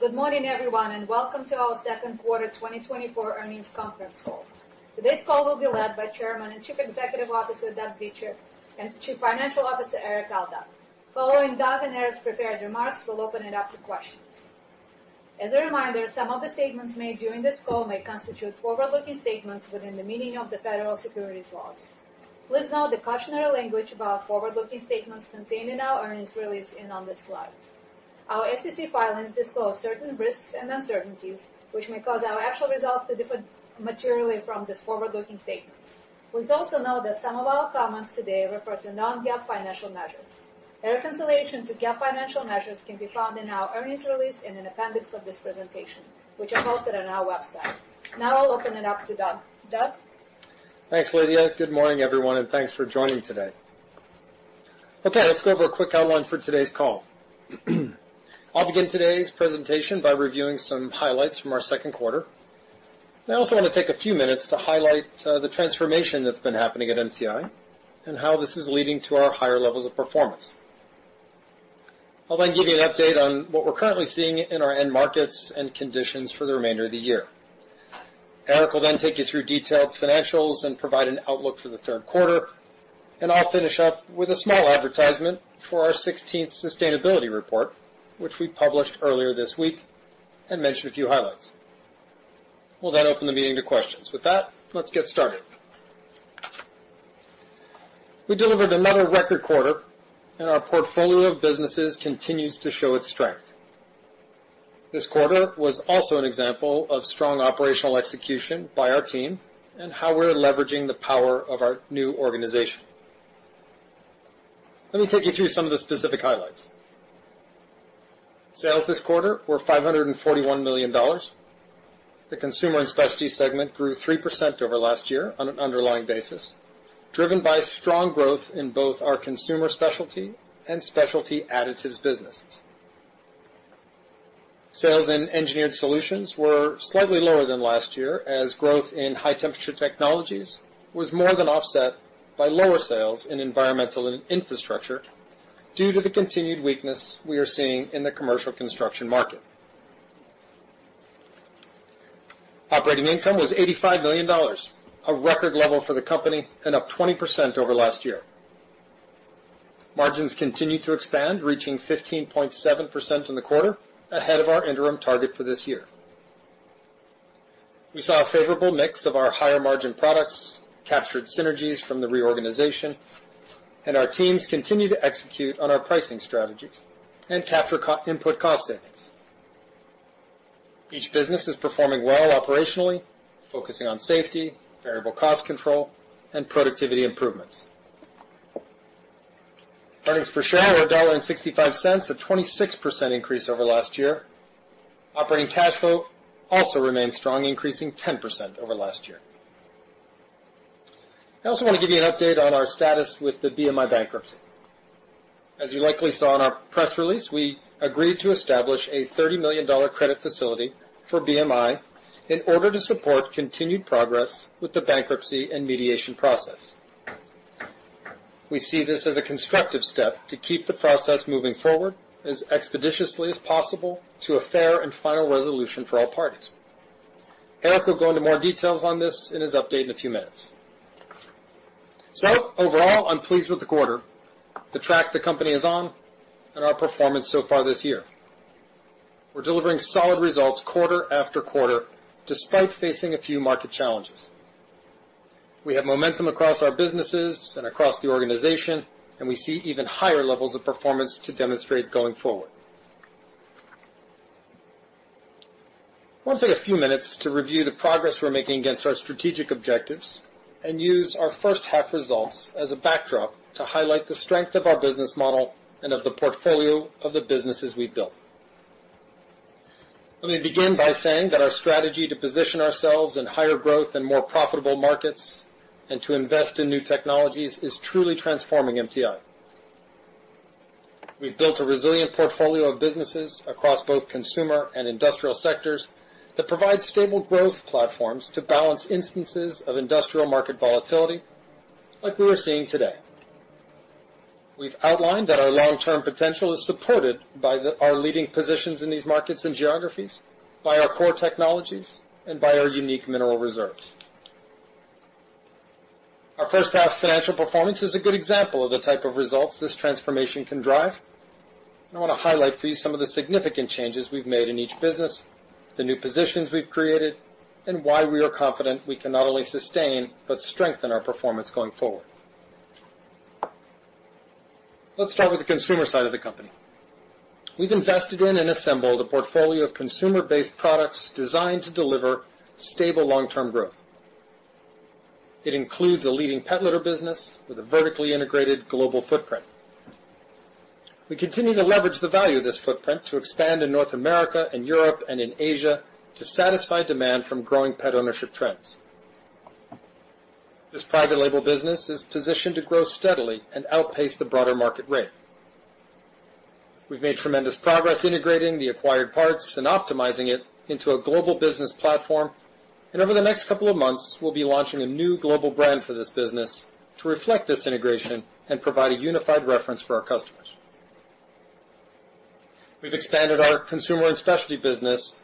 Good morning, everyone, and welcome to our second quarter 2024 earnings conference call. Today's call will be led by Chairman and Chief Executive Officer Doug Dietrich and Chief Financial Officer Erik Aldag. Following Doug and Erik's prepared remarks, we'll open it up to questions. As a reminder, some of the statements made during this call may constitute forward-looking statements within the meaning of the Federal Securities Laws. Please note the cautionary language about forward-looking statements contained in our earnings release is on this slide. Our SEC filings disclose certain risks and uncertainties, which may cause our actual results to differ materially from these forward-looking statements. Please also note that some of our comments today refer to non-GAAP financial measures. A reconciliation to GAAP financial measures can be found in our earnings release and in appendix of this presentation, which are posted on our website. Now I'll open it up to Doug. Doug? Thanks, Lydia. Good morning, everyone, and thanks for joining today. Okay, let's go over a quick outline for today's call. I'll begin today's presentation by reviewing some highlights from our second quarter. I also want to take a few minutes to highlight the transformation that's been happening at MTI and how this is leading to our higher levels of performance. I'll then give you an update on what we're currently seeing in our end markets and conditions for the remainder of the year. Erik will then take you through detailed financials and provide an outlook for the third quarter. I'll finish up with a small advertisement for our 16th sustainability report, which we published earlier this week and mentioned a few highlights. We'll then open the meeting to questions. With that, let's get started. We delivered another record quarter, and our portfolio of businesses continues to show its strength. This quarter was also an example of strong operational execution by our team and how we're leveraging the power of our new organization. Let me take you through some of the specific highlights. Sales this quarter were $541 million. The Consumer and Specialty segment grew 3% over last year on an underlying basis, driven by strong growth in both our consumer specialty and Specialty Additives businesses. Sales in Engineered Solutions were slightly lower than last year, as growth in High-Temperature Technologies was more than offset by lower sales in Environmental and Infrastructure due to the continued weakness we are seeing in the commercial construction market. Operating income was $85 million, a record level for the company and up 20% over last year. Margins continued to expand, reaching 15.7% in the quarter, ahead of our interim target for this year. We saw a favorable mix of our higher-margin products, captured synergies from the reorganization, and our teams continue to execute on our pricing strategies and capture input cost savings. Each business is performing well operationally, focusing on safety, variable cost control, and productivity improvements. Earnings per share were $1.65, a 26% increase over last year. Operating cash flow also remained strong, increasing 10% over last year. I also want to give you an update on our status with the BMI bankruptcy. As you likely saw in our press release, we agreed to establish a $30 million credit facility for BMI in order to support continued progress with the bankruptcy and mediation process. We see this as a constructive step to keep the process moving forward as expeditiously as possible to a fair and final resolution for all parties. Erik will go into more details on this in his update in a few minutes. So overall, I'm pleased with the quarter, the track the company is on, and our performance so far this year. We're delivering solid results quarter after quarter despite facing a few market challenges. We have momentum across our businesses and across the organization, and we see even higher levels of performance to demonstrate going forward. I want to take a few minutes to review the progress we're making against our strategic objectives and use our first half results as a backdrop to highlight the strength of our business model and of the portfolio of the businesses we've built. Let me begin by saying that our strategy to position ourselves in higher growth and more profitable markets and to invest in new technologies is truly transforming MTI. We've built a resilient portfolio of businesses across both consumer and industrial sectors that provide stable growth platforms to balance instances of industrial market volatility like we are seeing today. We've outlined that our long-term potential is supported by our leading positions in these markets and geographies, by our core technologies, and by our unique mineral reserves. Our first half financial performance is a good example of the type of results this transformation can drive. I want to highlight for you some of the significant changes we've made in each business, the new positions we've created, and why we are confident we can not only sustain but strengthen our performance going forward. Let's start with the consumer side of the company. We've invested in and assembled a portfolio of consumer-based products designed to deliver stable long-term growth. It includes a leading pet litter business with a vertically integrated global footprint. We continue to leverage the value of this footprint to expand in North America and Europe and in Asia to satisfy demand from growing pet ownership trends. This private label business is positioned to grow steadily and outpace the broader market rate. We've made tremendous progress integrating the acquired parts and optimizing it into a global business platform. Over the next couple of months, we'll be launching a new global brand for this business to reflect this integration and provide a unified reference for our customers. We've expanded our Consumer and Specialty businesses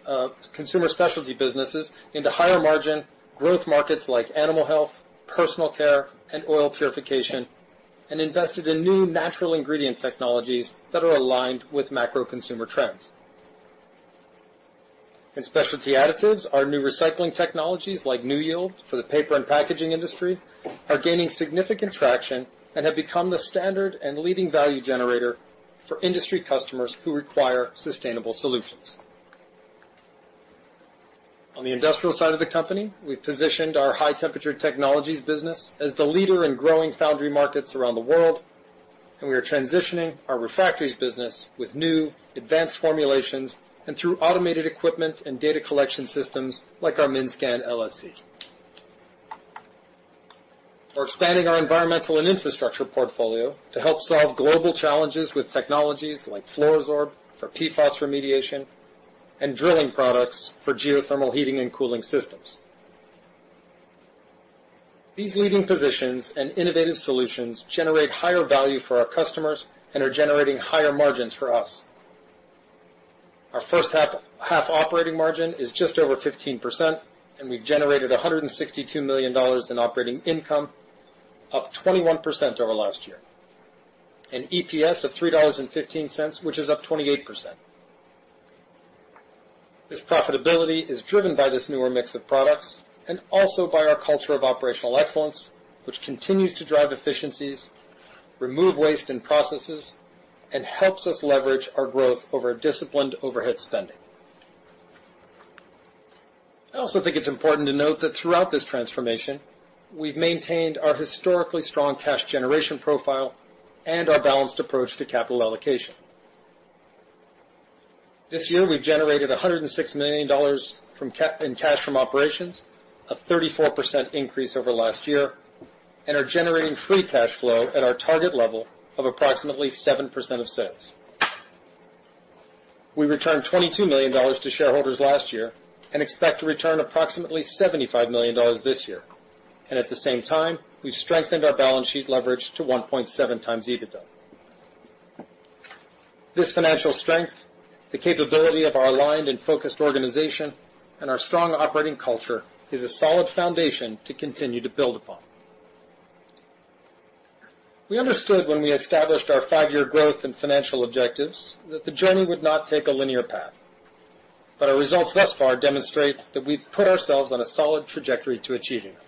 into higher-margin growth markets like animal health, personal care, and oil purification, and invested in new natural ingredient technologies that are aligned with macro consumer trends. In Specialty Additives, our new recycling technologies like NewYield for the paper and packaging industry are gaining significant traction and have become the standard and leading value generator for industry customers who require sustainable solutions. On the industrial side of the company, we've positioned our High-Temperature Technologies business as the leader in growing foundry markets around the world, and we are transitioning our refractories business with new advanced formulations and through automated equipment and data collection systems like our MINSCAN LSC. We're expanding our Environmental and Infrastructure portfolio to help solve global challenges with technologies like Fluoro-Sorb for PFAS remediation and drilling products for geothermal heating and cooling systems. These leading positions and innovative solutions generate higher value for our customers and are generating higher margins for us. Our first half operating margin is just over 15%, and we've generated $162 million in operating income, up 21% over last year, and EPS of $3.15, which is up 28%. This profitability is driven by this newer mix of products and also by our culture of operational excellence, which continues to drive efficiencies, remove waste in processes, and helps us leverage our growth over disciplined overhead spending. I also think it's important to note that throughout this transformation, we've maintained our historically strong cash generation profile and our balanced approach to capital allocation. This year, we've generated $106 million in cash from operations, a 34% increase over last year, and are generating free cash flow at our target level of approximately 7% of sales. We returned $22 million to shareholders last year and expect to return approximately $75 million this year. At the same time, we've strengthened our balance sheet leverage to 1.7x EBITDA. This financial strength, the capability of our aligned and focused organization, and our strong operating culture is a solid foundation to continue to build upon. We understood when we established our five-year growth and financial objectives that the journey would not take a linear path, but our results thus far demonstrate that we've put ourselves on a solid trajectory to achieving them.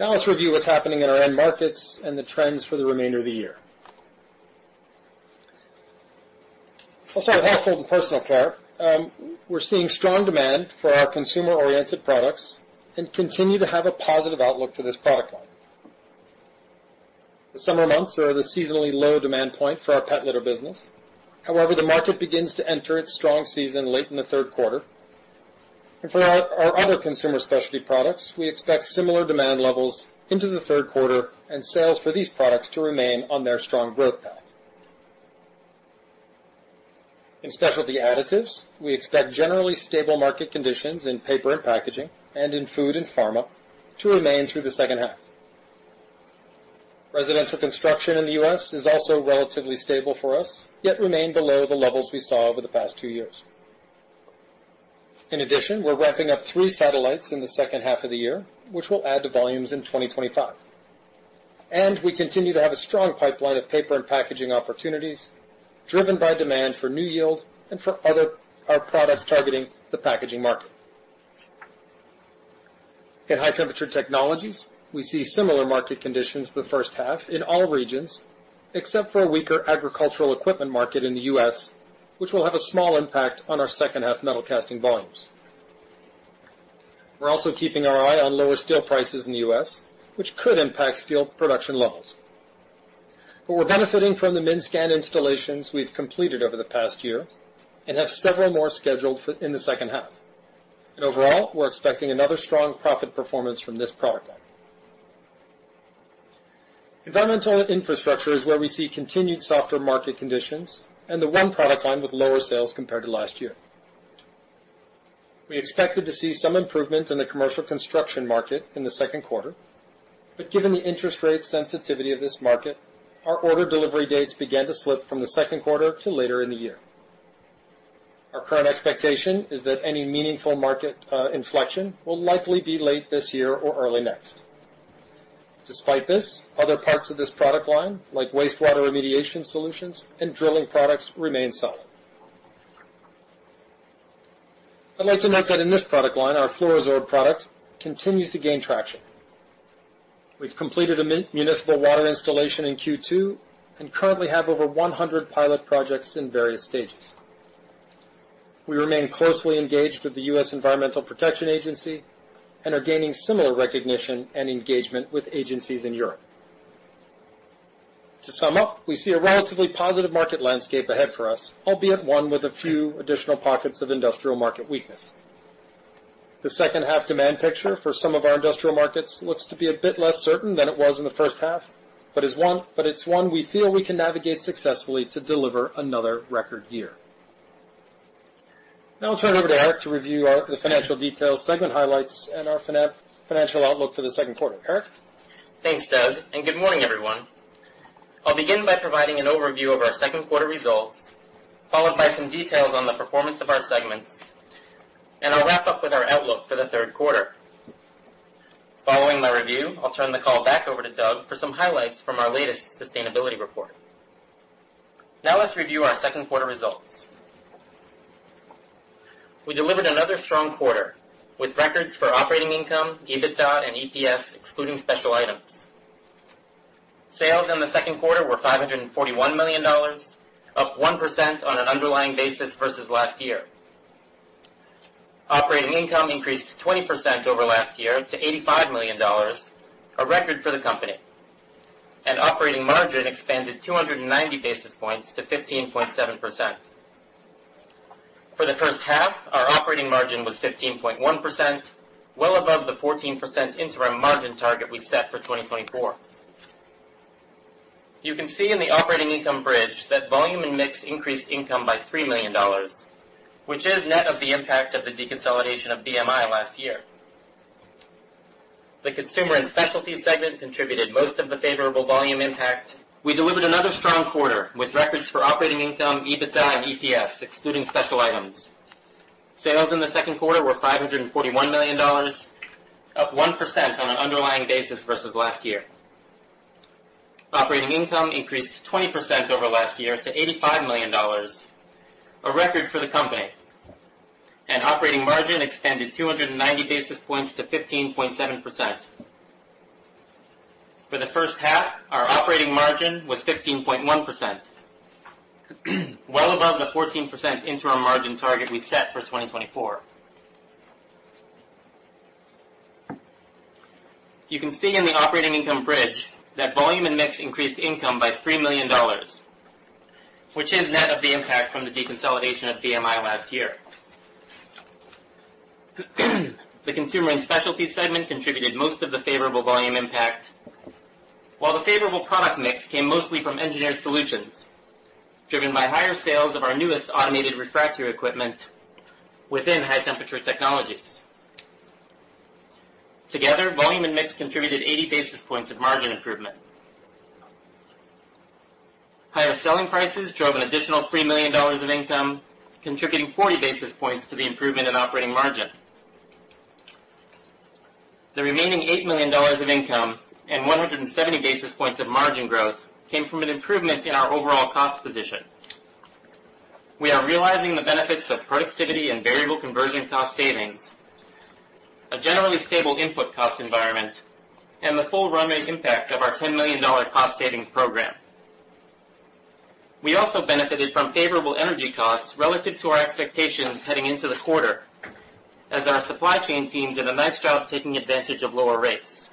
Now let's review what's happening in our end markets and the trends for the remainder of the year. I'll start with Household and Personal Care. We're seeing strong demand for our consumer-oriented products and continue to have a positive outlook for this product line. The summer months are the seasonally low demand point for our pet litter business. However, the market begins to enter its strong season late in the third quarter. For our other consumer specialty products, we expect similar demand levels into the third quarter and sales for these products to remain on their strong growth path. In Specialty Additives, we expect generally stable market conditions in paper and packaging and in food and pharma to remain through the second half. Residential construction in the U.S. is also relatively stable for us, yet remained below the levels we saw over the past two years. In addition, we're ramping up three satellites in the second half of the year, which will add to volumes in 2025. We continue to have a strong pipeline of paper and packaging opportunities driven by demand for NewYield and for other products targeting the packaging market. In High-Temperature Technologies, we see similar market conditions the first half in all regions except for a weaker agricultural equipment market in the U.S., which will have a small impact on our second half metal casting volumes. We're also keeping our eye on lower steel prices in the U.S., which could impact steel production levels. But we're benefiting from the MINSCAN installations we've completed over the past year and have several more scheduled in the second half. And overall, we're expecting another strong profit performance from this product line. Environmental infrastructure is where we see continued softer market conditions and the one product line with lower sales compared to last year. We expected to see some improvement in the commercial construction market in the second quarter, but given the interest rate sensitivity of this market, our order delivery dates began to slip from the second quarter to later in the year. Our current expectation is that any meaningful market inflection will likely be late this year or early next. Despite this, other parts of this product line, like wastewater remediation solutions and drilling products, remain solid. I'd like to note that in this product line, our Fluoro-Sorb product continues to gain traction. We've completed a municipal water installation in Q2 and currently have over 100 pilot projects in various stages. We remain closely engaged with the U.S. Environmental Protection Agency and are gaining similar recognition and engagement with agencies in Europe. To sum up, we see a relatively positive market landscape ahead for us, albeit one with a few additional pockets of industrial market weakness. The second half demand picture for some of our industrial markets looks to be a bit less certain than it was in the first half, but it's one we feel we can navigate successfully to deliver another record year. Now I'll turn it over to Erik to review the financial details, segment highlights, and our financial outlook for the second quarter. Erik? Thanks, Doug. Good morning, everyone. I'll begin by providing an overview of our second quarter results, followed by some details on the performance of our segments, and I'll wrap up with our outlook for the third quarter. Following my review, I'll turn the call back over to Doug for some highlights from our latest sustainability report. Now let's review our second quarter results. We delivered another strong quarter with records for operating income, EBITDA, and EPS excluding special items. Sales in the second quarter were $541 million, up 1% on an underlying basis versus last year. Operating income increased 20% over last year to $85 million, a record for the company. Operating margin expanded 290 basis points to 15.7%. For the first half, our operating margin was 15.1%, well above the 14% interim margin target we set for 2024. You can see in the operating income bridge that volume and mix increased income by $3 million, which is net of the impact of the deconsolidation of BMI last year. The Consumer and Specialty segment contributed most of the favorable volume impact. We delivered another strong quarter with records for operating income, EBITDA, and EPS excluding special items. Sales in the second quarter were $541 million, up 1% on an underlying basis versus last year. Operating income increased 20% over last year to $85 million, a record for the company. Operating margin extended 290 basis points to 15.7%. For the first half, our operating margin was 15.1%, well above the 14% interim margin target we set for 2024. You can see in the operating income bridge that volume and mix increased income by $3 million, which is net of the impact from the deconsolidation of BMI last year. The Consumer and Specialty segment contributed most of the favorable volume impact, while the favorable product mix came mostly from Engineered Solutions driven by higher sales of our newest automated refractory equipment within High-Temperature Technologies. Together, volume and mix contributed 80 basis points of margin improvement. Higher selling prices drove an additional $3 million of income, contributing 40 basis points to the improvement in operating margin. The remaining $8 million of income and 170 basis points of margin growth came from an improvement in our overall cost position. We are realizing the benefits of productivity and variable conversion cost savings, a generally stable input cost environment, and the full runway impact of our $10 million cost savings program. We also benefited from favorable energy costs relative to our expectations heading into the quarter, as our supply chain teams did a nice job taking advantage of lower rates.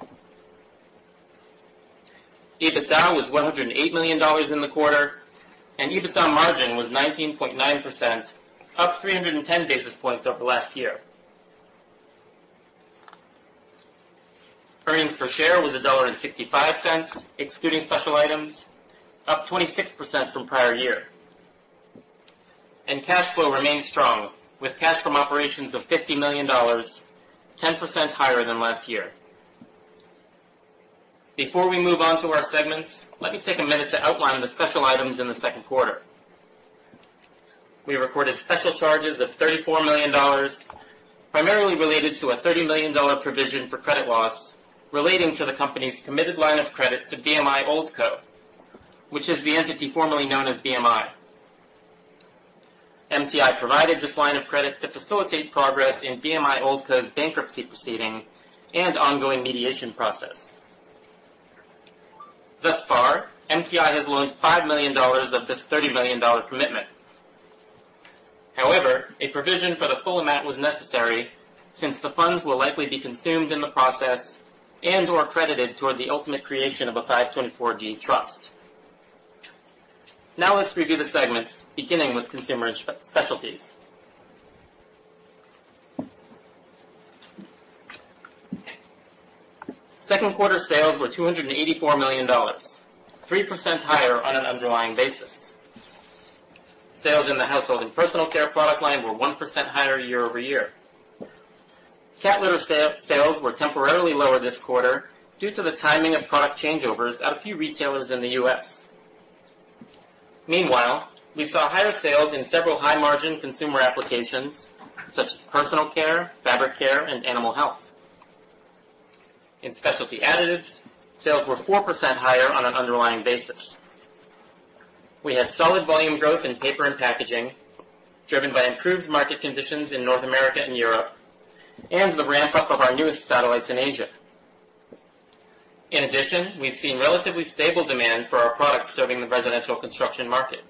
EBITDA was $108 million in the quarter, and EBITDA margin was 19.9%, up 310 basis points over the last year. Earnings per share was $1.65, excluding special items, up 26% from prior year. Cash flow remained strong, with cash from operations of $50 million, 10% higher than last year. Before we move on to our segments, let me take a minute to outline the special items in the second quarter. We recorded special charges of $34 million, primarily related to a $30 million provision for credit loss relating to the company's committed line of credit to BMI OldCo, which is the entity formerly known as BMI. MTI provided this line of credit to facilitate progress in BMI OldCo's bankruptcy proceeding and ongoing mediation process. Thus far, MTI has loaned $5 million of this $30 million commitment. However, a provision for the full amount was necessary since the funds will likely be consumed in the process and/or credited toward the ultimate creation of a 524(g) trust. Now let's review the segments, beginning with Consumer Specialties. Second quarter sales were $284 million, 3% higher on an underlying basis. Sales in the Household and Personal Care product line were 1% higher year over year. Cat litter sales were temporarily lower this quarter due to the timing of product changeovers at a few retailers in the U.S. Meanwhile, we saw higher sales in several high-margin consumer applications such as personal care, fabric care, and animal health. In Specialty Additives, sales were 4% higher on an underlying basis. We had solid volume growth in paper and packaging driven by improved market conditions in North America and Europe and the ramp-up of our newest satellites in Asia. In addition, we've seen relatively stable demand for our products serving the residential construction market.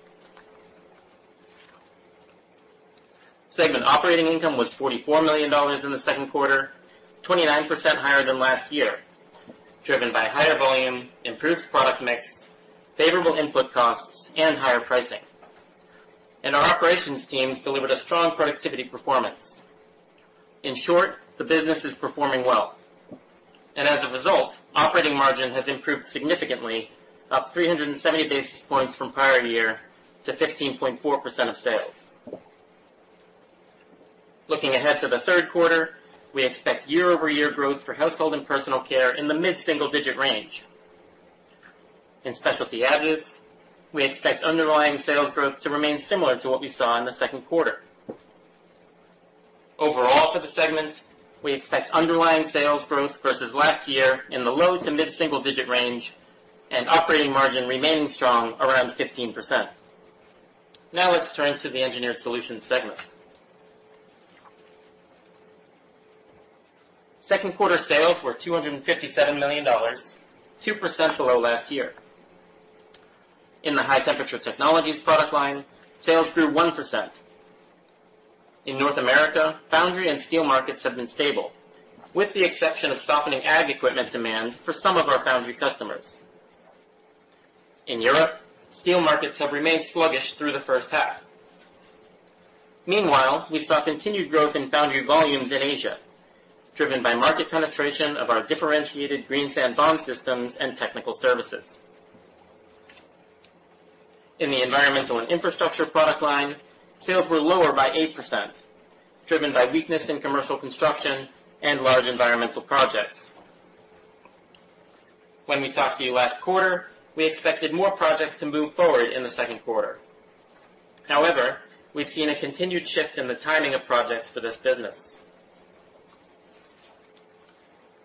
Segment operating income was $44 million in the second quarter, 29% higher than last year, driven by higher volume, improved product mix, favorable input costs, and higher pricing. Our operations teams delivered a strong productivity performance. In short, the business is performing well. As a result, operating margin has improved significantly, up 370 basis points from prior year to 15.4% of sales. Looking ahead to the third quarter, we expect year-over-year growth for Household and Personal Care in the mid-single-digit range. In Specialty Additives, we expect underlying sales growth to remain similar to what we saw in the second quarter. Overall, for the segment, we expect underlying sales growth versus last year in the low to mid-single-digit range and operating margin remaining strong around 15%. Now let's turn to the Engineered Solutions segment. Second quarter sales were $257 million, 2% below last year. In the High-Temperature Technologies product line, sales grew 1%. In North America, foundry and steel markets have been stable, with the exception of softening ag equipment demand for some of our foundry customers. In Europe, steel markets have remained sluggish through the first half. Meanwhile, we saw continued growth in foundry volumes in Asia, driven by market penetration of our differentiated green sand bond systems and technical services. In the Environmental and Infrastructure product line, sales were lower by 8%, driven by weakness in commercial construction and large environmental projects. When we talked to you last quarter, we expected more projects to move forward in the second quarter. However, we've seen a continued shift in the timing of projects for this business.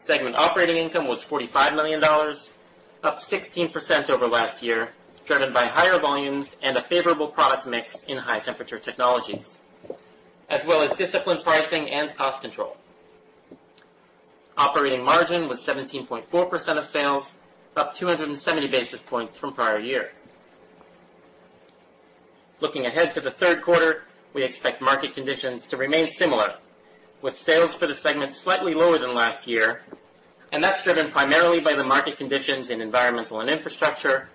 Segment operating income was $45 million, up 16% over last year, driven by higher volumes and a favorable product mix in High-Temperature Technologies, as well as disciplined pricing and cost control. Operating margin was 17.4% of sales, up 270 basis points from prior year. Looking ahead to the third quarter, we expect market conditions to remain similar, with sales for the segment slightly lower than last year, and that's driven primarily by the market conditions in Environmental and Infrastructure,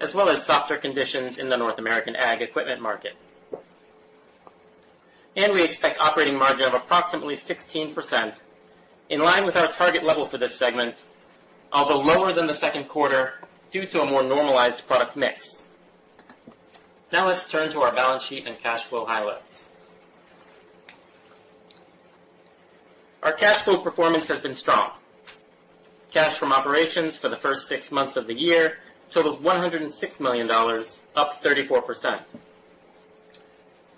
as well as softer conditions in the North American ag equipment market. We expect operating margin of approximately 16%, in line with our target level for this segment, although lower than the second quarter due to a more normalized product mix. Now let's turn to our balance sheet and cash flow highlights. Our cash flow performance has been strong. Cash from operations for the first six months of the year totaled $106 million, up 34%.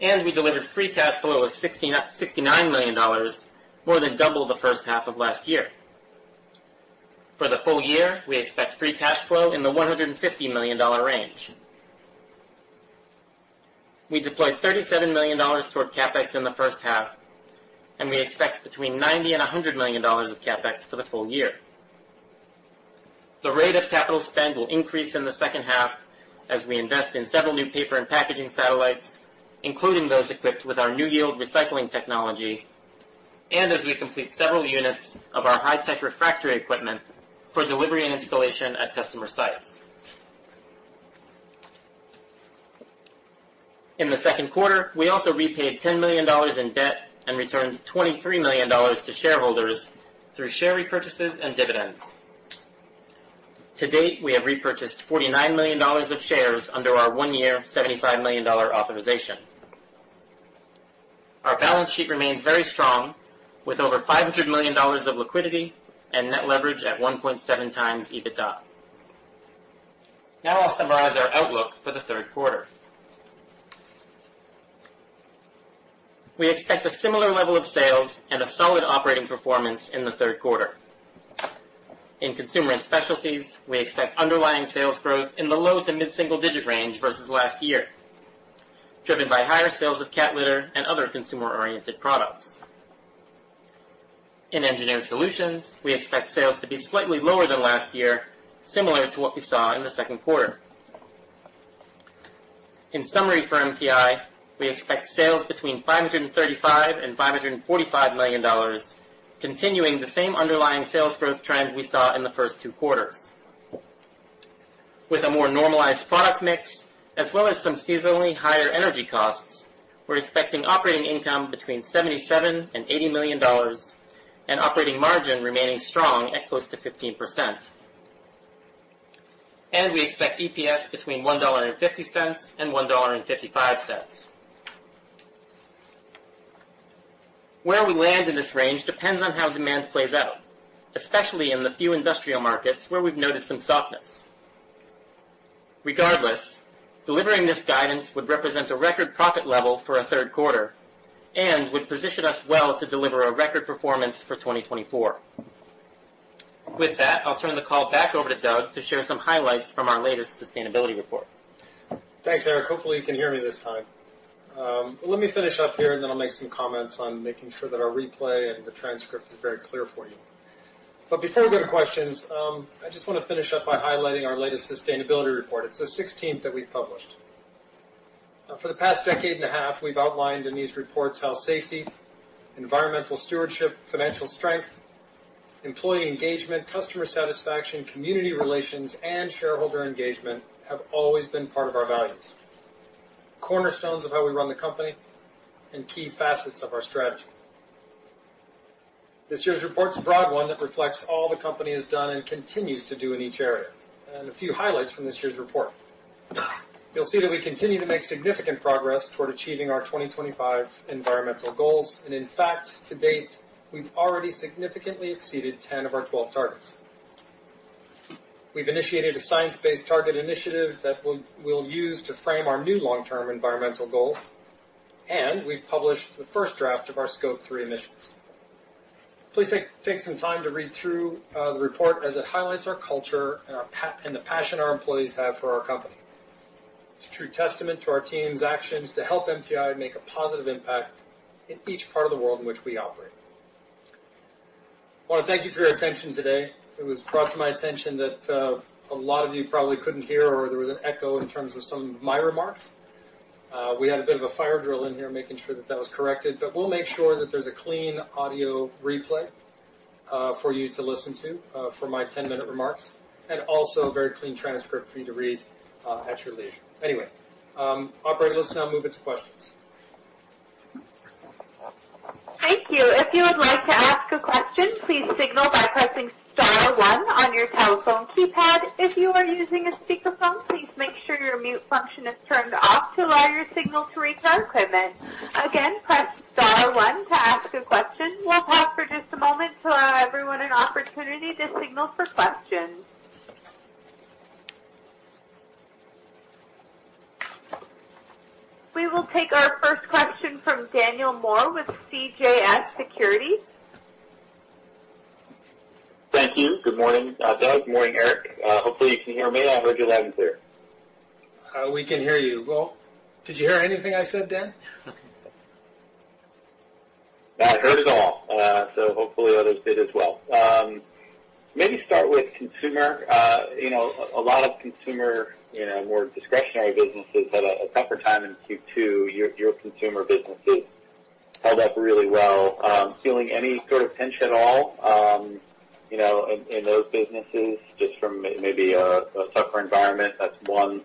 We delivered free cash flow of $69 million, more than double the first half of last year. For the full year, we expect free cash flow in the $150 million range. We deployed $37 million toward CapEx in the first half, and we expect between $90 million-$100 million of CapEx for the full year. The rate of capital spend will increase in the second half as we invest in several new paper and packaging satellites, including those equipped with our NewYield recycling technology, and as we complete several units of our high-tech refractory equipment for delivery and installation at customer sites. In the second quarter, we also repaid $10 million in debt and returned $23 million to shareholders through share repurchases and dividends. To date, we have repurchased $49 million of shares under our one-year $75 million authorization. Our balance sheet remains very strong, with over $500 million of liquidity and net leverage at 1.7x EBITDA. Now I'll summarize our outlook for the third quarter. We expect a similar level of sales and a solid operating performance in the third quarter. In consumer and specialties, we expect underlying sales growth in the low to mid-single-digit range versus last year, driven by higher sales of cat litter and other consumer-oriented products. In Engineered Solutions, we expect sales to be slightly lower than last year, similar to what we saw in the second quarter. In summary for MTI, we expect sales between $535 million-$545 million, continuing the same underlying sales growth trend we saw in the first two quarters. With a more normalized product mix, as well as some seasonally higher energy costs, we're expecting operating income between $77 million-$80 million and operating margin remaining strong at close to 15%. We expect EPS between $1.50-$1.55. Where we land in this range depends on how demand plays out, especially in the few industrial markets where we've noted some softness. Regardless, delivering this guidance would represent a record profit level for a third quarter and would position us well to deliver a record performance for 2024. With that, I'll turn the call back over to Doug to share some highlights from our latest sustainability report. Thanks, Erik. Hopefully, you can hear me this time. Let me finish up here, and then I'll make some comments on making sure that our replay and the transcript is very clear for you. Before we go to questions, I just want to finish up by highlighting our latest sustainability report. It's the 16th that we've published. For the past decade and a half, we've outlined in these reports how safety, environmental stewardship, financial strength, employee engagement, customer satisfaction, community relations, and shareholder engagement have always been part of our values, cornerstones of how we run the company, and key facets of our strategy. This year's report's a broad one that reflects all the company has done and continues to do in each area, and a few highlights from this year's report. You'll see that we continue to make significant progress toward achieving our 2025 environmental goals. And in fact, to date, we've already significantly exceeded 10 of our 12 targets. We've initiated a Science-Based Targets initiative that we'll use to frame our new long-term environmental goals, and we've published the first draft of our Scope 3 initiatives. Please take some time to read through the report as it highlights our culture and the passion our employees have for our company. It's a true testament to our team's actions to help MTI make a positive impact in each part of the world in which we operate. I want to thank you for your attention today. It was brought to my attention that a lot of you probably couldn't hear, or there was an echo in terms of some of my remarks. We had a bit of a fire drill in here, making sure that that was corrected, but we'll make sure that there's a clean audio replay for you to listen to for my 10-minute remarks and also a very clean transcript for you to read at your leisure. Anyway, operator, let's now move it to questions. Thank you. If you would like to ask a question, please signal by pressing star one on your telephone keypad. If you are using a speakerphone, please make sure your mute function is turned off to allow your signal to reach our equipment. Again, press star one to ask a question. We'll pause for just a moment to allow everyone an opportunity to signal for questions. We will take our first question from Daniel Moore with CJS Securities. Thank you. Good morning, Doug. Good morning, Erik. Hopefully, you can hear me. I heard you loud and clear. We can hear you. Well, did you hear anything I said, Dan? I heard it all, so hopefully, others did as well. Maybe start with consumer. A lot of consumer, more discretionary businesses had a tougher time in Q2. Your consumer businesses held up really well. Feeling any sort of pinch at all in those businesses just from maybe a tougher environment? That's one.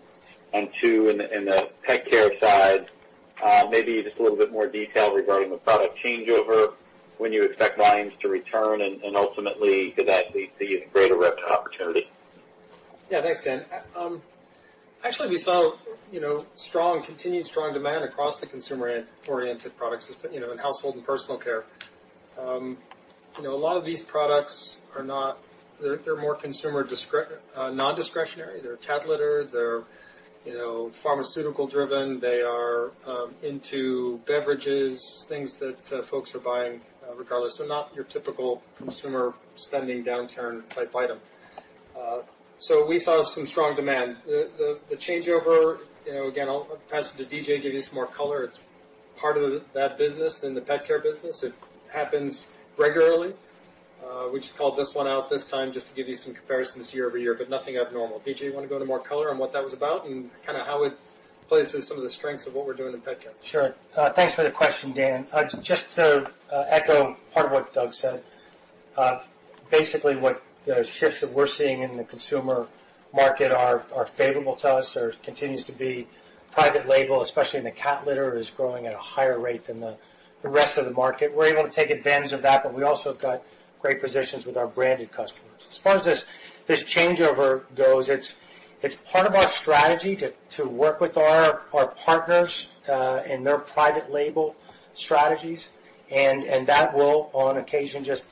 And two, in the pet care side, maybe just a little bit more detail regarding the product changeover when you expect volumes to return and ultimately could that lead to even greater revenue opportunity? Yeah, thanks, Dan. Actually, we saw continued strong demand across the consumer-oriented products in Household and Personal Care. A lot of these products are not, they're more non-discretionary. They're cat litter, they're pharmaceutical-driven, they are into beverages, things that folks are buying regardless. So not your typical consumer spending downturn type item. So we saw some strong demand. The changeover, again, I'll pass it to D.J. to give you some more color. It's part of that business in the pet care business. It happens regularly. We just called this one out this time just to give you some comparisons year-over-year, but nothing abnormal. D.J., you want to go into more color on what that was about and kind of how it plays to some of the strengths of what we're doing in pet care? Sure. Thanks for the question, Dan. Just to echo part of what Doug said, basically what the shifts that we're seeing in the consumer market are favorable to us or continue to be. Private label, especially in the cat litter, is growing at a higher rate than the rest of the market. We're able to take advantage of that, but we also have got great positions with our branded customers. As far as this changeover goes, it's part of our strategy to work with our partners in their private label strategies. And that will, on occasion, just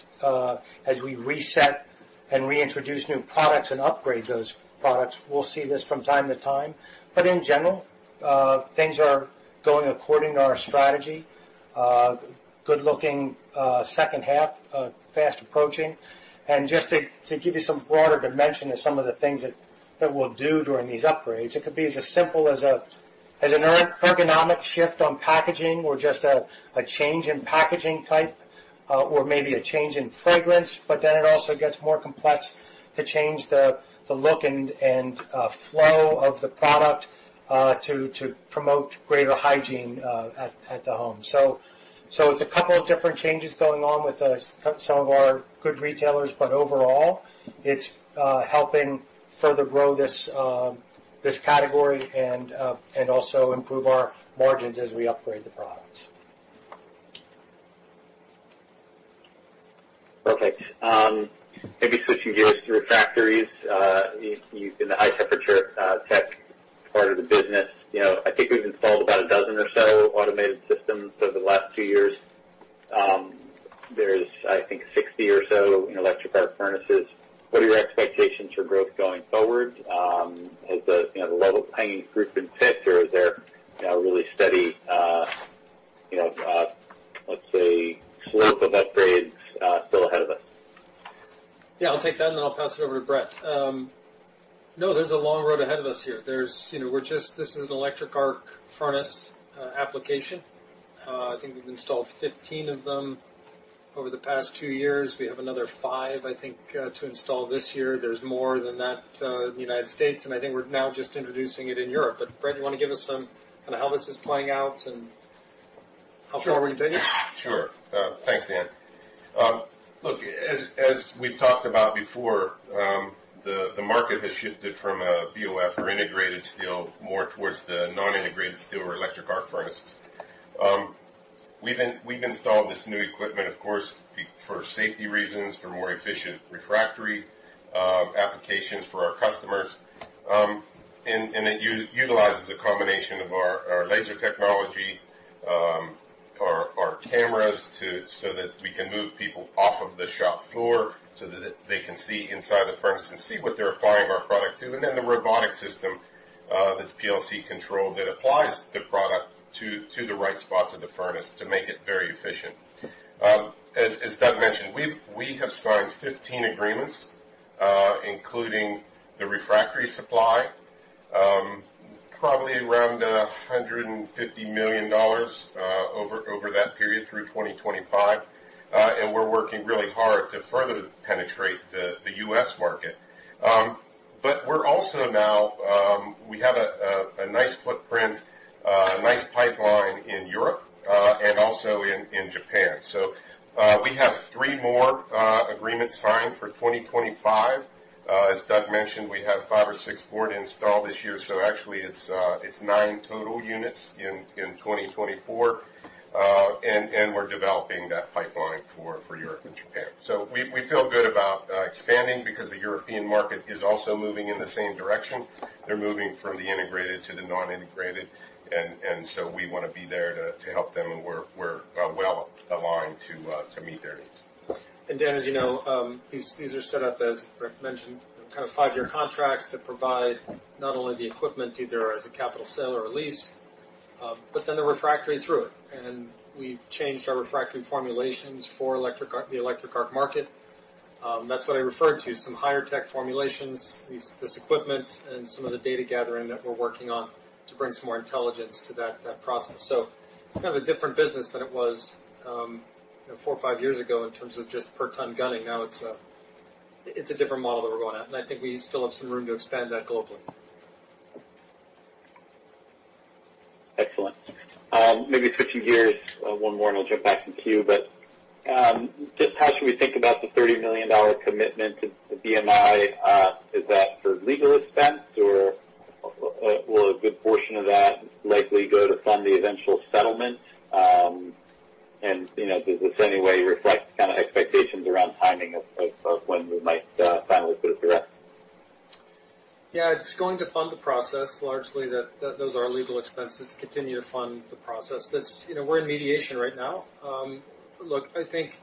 as we reset and reintroduce new products and upgrade those products, we'll see this from time to time. But in general, things are going according to our strategy. Good-looking second half, fast approaching. And just to give you some broader dimension of some of the things that we'll do during these upgrades, it could be as simple as an ergonomic shift on packaging or just a change in packaging type or maybe a change in fragrance. But then it also gets more complex to change the look and flow of the product to promote greater hygiene at the home. So it's a couple of different changes going on with some of our good retailers, but overall, it's helping further grow this category and also improve our margins as we upgrade the products. Perfect. Maybe switching gears to refractories. You've been the high-temperature tech part of the business. I think we've installed about a dozen or so automated systems over the last 2 years. There's, I think, 60 or so electric arc furnaces. What are your expectations for growth going forward? Has the level of hanging through been fixed, or is there a really steady, let's say, slope of upgrades still ahead of us? Yeah, I'll take that, and then I'll pass it over to Brett. No, there's a long road ahead of us here. This is an electric arc furnace application. I think we've installed 15 of them over the past 2 years. We have another 5, I think, to install this year. There's more than that in the United States, and I think we're now just introducing it in Europe. But Brett, you want to give us some kind of how this is playing out and how far we can take it? Sure. Thanks, Dan. Look, as we've talked about before, the market has shifted from a BOF or integrated steel more towards the non-integrated steel or electric arc furnaces. We've installed this new equipment, of course, for safety reasons, for more efficient refractory applications for our customers. And it utilizes a combination of our laser technology, our cameras, so that we can move people off of the shop floor so that they can see inside the furnace and see what they're applying our product to. And then the robotic system that's PLC-controlled that applies the product to the right spots of the furnace to make it very efficient. As Doug mentioned, we have signed 15 agreements, including the refractory supply, probably around $150 million over that period through 2025. We're working really hard to further penetrate the U.S. market. But we're also. Now we have a nice footprint, a nice pipeline in Europe and also in Japan. So we have 3 more agreements signed for 2025. As Doug mentioned, we have 5 or 6 bots installed this year. So actually, it's 9 total units in 2024. And we're developing that pipeline for Europe and Japan. So we feel good about expanding because the European market is also moving in the same direction. They're moving from the integrated to the non-integrated. And so we want to be there to help them, and we're well aligned to meet their needs. And Dan, as you know, these are set up, as Brett mentioned, kind of 5-year contracts that provide not only the equipment either as a capital sale or a lease, but then the refractory through it. We've changed our refractory formulations for the electric arc market. That's what I referred to, some higher-tech formulations, this equipment, and some of the data gathering that we're working on to bring some more intelligence to that process. It's kind of a different business than it was 4 or 5 years ago in terms of just per ton gunning. Now it's a different model that we're going at. I think we still have some room to expand that globally. Excellent. Maybe switching gears one more, and I'll jump back to Q. But just how should we think about the $30 million commitment to the BMI? Is that for legal expense, or will a good portion of that likely go to fund the eventual settlement? And does this any way reflect kind of expectations around timing of when we might finally put it to rest? Yeah, it's going to fund the process. Largely, those are legal expenses to continue to fund the process. We're in mediation right now. Look, I think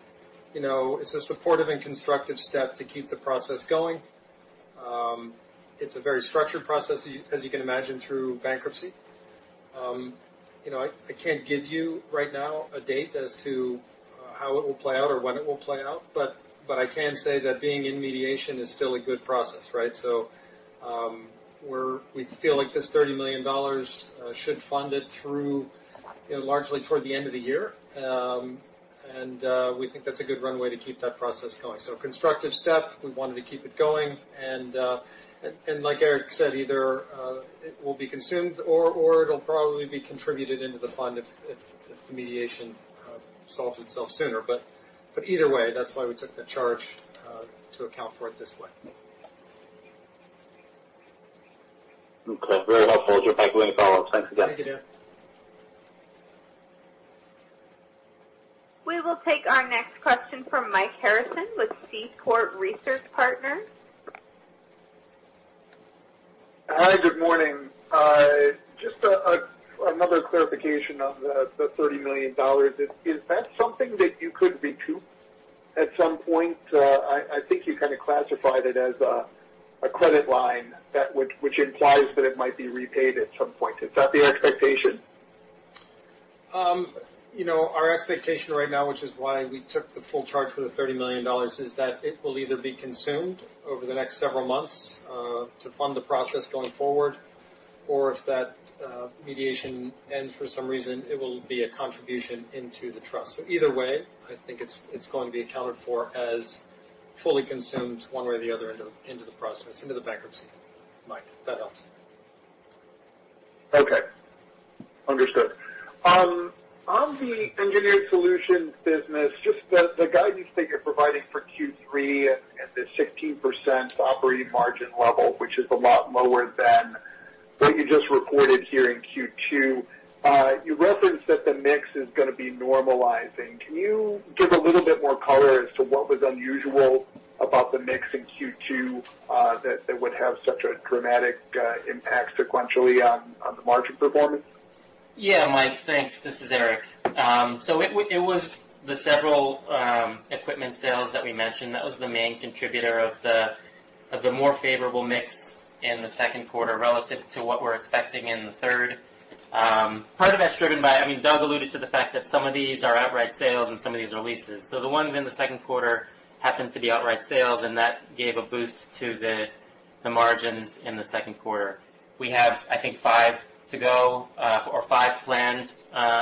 it's a supportive and constructive step to keep the process going. It's a very structured process, as you can imagine, through bankruptcy. I can't give you right now a date as to how it will play out or when it will play out, but I can say that being in mediation is still a good process, right? So we feel like this $30 million should fund it through largely toward the end of the year. And we think that's a good runway to keep that process going. So constructive step. We wanted to keep it going. And like Erik said, either it will be consumed or it'll probably be contributed into the fund if the mediation solves itself sooner. But either way, that's why we took the charge to account for it this way. Okay. Very helpful. We'll jump back to any follow-ups. Thanks again. Thank you, Dan. We will take our next question from Mike Harrison with Seaport Research Partners. Hi, good morning. Just another clarification on the $30 million. Is that something that you could recoup at some point? I think you kind of classified it as a credit line which implies that it might be repaid at some point. Is that the expectation? Our expectation right now, which is why we took the full charge for the $30 million, is that it will either be consumed over the next several months to fund the process going forward, or if that mediation ends for some reason, it will be a contribution into the trust. So either way, I think it's going to be accounted for as fully consumed one way or the other into the process, into the bankruptcy line. If that helps. Okay. Understood. On the engineered solution business, just the guidance that you're providing for Q3 and the 16% operating margin level, which is a lot lower than what you just reported here in Q2, you referenced that the mix is going to be normalizing. Can you give a little bit more color as to what was unusual about the mix in Q2 that would have such a dramatic impact sequentially on the margin performance? Yeah, Mike. Thanks. This is Erik. So it was the several equipment sales that we mentioned. That was the main contributor of the more favorable mix in the second quarter relative to what we're expecting in the third. Part of that's driven by, I mean, Doug alluded to the fact that some of these are outright sales and some of these are leases. So the ones in the second quarter happened to be outright sales, and that gave a boost to the margins in the second quarter. We have, I think, 5 to go or 5 planned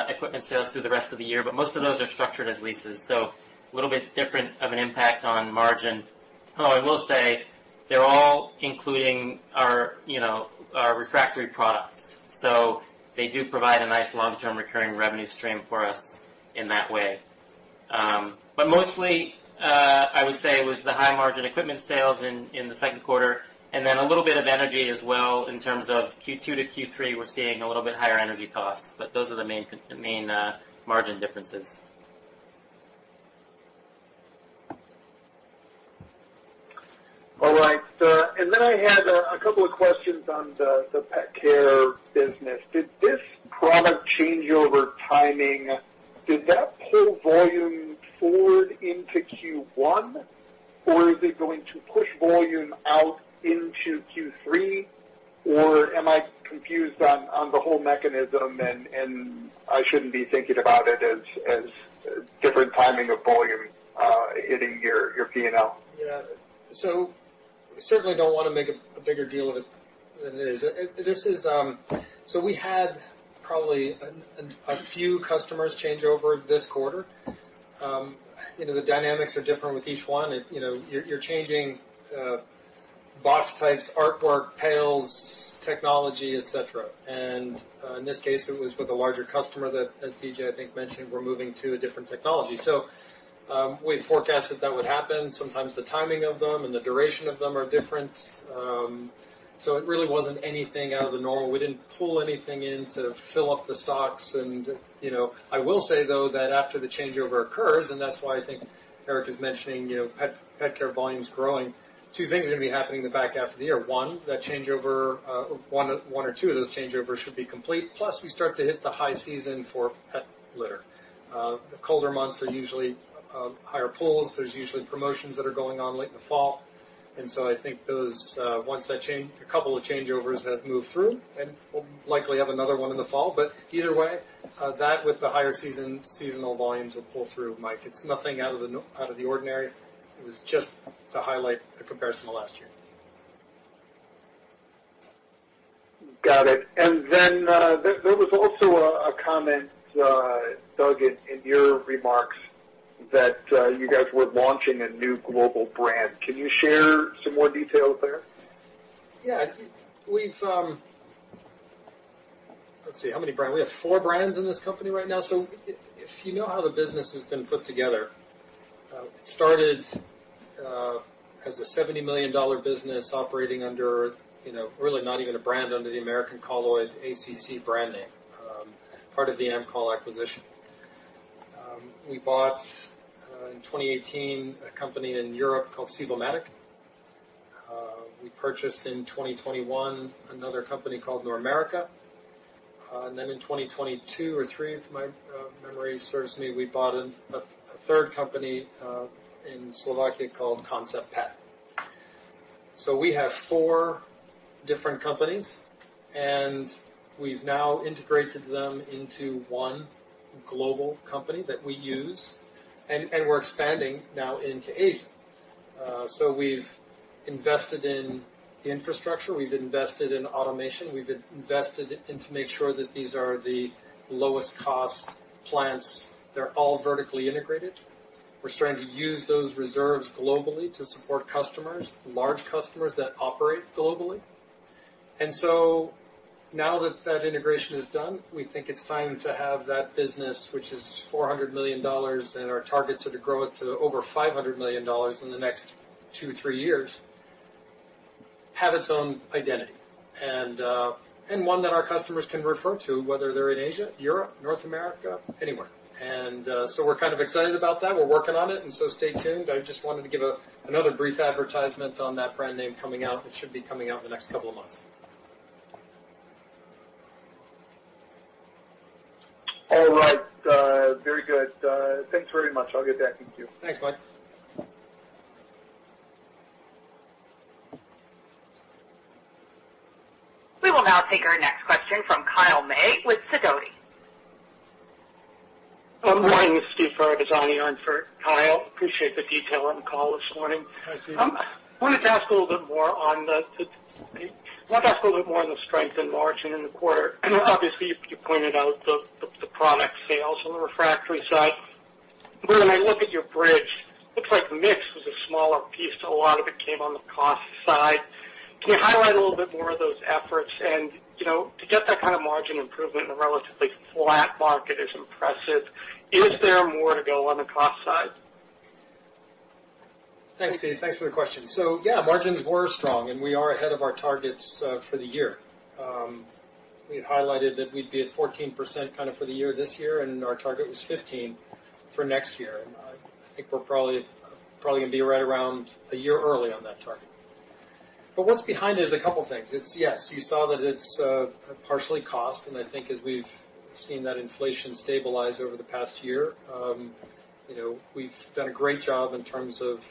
equipment sales through the rest of the year, but most of those are structured as leases. So a little bit different of an impact on margin. Although I will say they're all including our refractory products. So they do provide a nice long-term recurring revenue stream for us in that way. But mostly, I would say it was the high-margin equipment sales in the second quarter. And then a little bit of energy as well in terms of Q2 to Q3, we're seeing a little bit higher energy costs. But those are the main margin differences. All right. And then I had a couple of questions on the pet care business. Did this product changeover timing, did that pull volume forward into Q1, or is it going to push volume out into Q3, or am I confused on the whole mechanism and I shouldn't be thinking about it as different timing of volume hitting your P&L? Yeah. So we certainly don't want to make a bigger deal of it than it is. So we had probably a few customers change over this quarter. The dynamics are different with each one. You're changing box types, artwork, pallets, technology, etc. And in this case, it was with a larger customer that, as D.J., I think, mentioned, we're moving to a different technology. So we forecast that that would happen. Sometimes the timing of them and the duration of them are different. So it really wasn't anything out of the normal. We didn't pull anything in to fill up the stocks. And I will say, though, that after the changeover occurs, and that's why I think Erik is mentioning pet care volumes growing, two things are going to be happening in the back half of the year. One, that changeover, one or two of those changeovers should be complete. Plus, we start to hit the high season for pet litter. The colder months are usually higher pulls. There's usually promotions that are going on late in the fall. And so I think once a couple of changeovers have moved through, and we'll likely have another one in the fall. But either way, that with the higher seasonal volumes will pull through, Mike. It's nothing out of the ordinary. It was just to highlight a comparison of last year. Got it. And then there was also a comment, Doug, in your remarks that you guys were launching a new global brand. Can you share some more details there? Yeah. Let's see. How many brands? We have four brands in this company right now. So if you know how the business has been put together, it started as a $70 million business operating under really not even a brand under the American Colloid ACC brand name, part of the AMCOL acquisition. We bought in 2018 a company in Europe called Sivomatic. We purchased in 2021 another company called Normerica. And then in 2022 or 2023, if my memory serves me, we bought a third company in Slovakia called Concept Pet. So we have four different companies, and we've now integrated them into one global company that we use. And we're expanding now into Asia. So we've invested in the infrastructure. We've invested in automation. We've invested in to make sure that these are the lowest-cost plants. They're all vertically integrated. We're starting to use those reserves globally to support customers, large customers that operate globally. And so now that that integration is done, we think it's time to have that business, which is $400 million, and our targets are to grow it to over $500 million in the next two, three years, have its own identity and one that our customers can refer to, whether they're in Asia, Europe, North America, anywhere. And so we're kind of excited about that. We're working on it. And so stay tuned. I just wanted to give another brief advertisement on that brand name coming out. It should be coming out in the next couple of months. All right. Very good. Thanks very much. I'll get back to you. Thanks, Mike. We will now take our next question from Kyle May with Sidoti. Good morning. Steve Ferazani, on for Kyle. Appreciate the detail on the call this morning. I wanted to ask a little bit more on the strength and margin in the quarter. Obviously, you pointed out the product sales on the refractory side. But when I look at your bridge, it looks like mix was a smaller piece. A lot of it came on the cost side. Can you highlight a little bit more of those efforts? And to get that kind of margin improvement in a relatively flat market is impressive. Is there more to go on the cost side? Thanks, Steve. Thanks for the question. So yeah, margins were strong, and we are ahead of our targets for the year. We had highlighted that we'd be at 14% kind of for the year this year, and our target was 15% for next year. And I think we're probably going to be right around a year early on that target. But what's behind it is a couple of things. Yes, you saw that it's partially cost. And I think as we've seen that inflation stabilize over the past year, we've done a great job in terms of